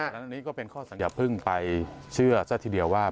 อันนี้ก็เป็นข้อสังอย่าเพิ่งไปเชื่อซะทีเดียวว่า